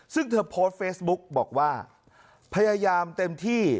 ซึ่งเธอโพสต์เฟซบุ๊กบอกว่าพยายามเต็มที่